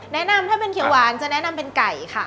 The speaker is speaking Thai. แนะนำถ้าเป็นเขียวหวานจะแนะนำเป็นไก่ค่ะ